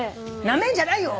なめんじゃないよ！